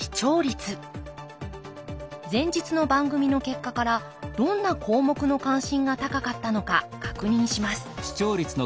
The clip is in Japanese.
前日の番組の結果からどんな項目の関心が高かったのか確認します。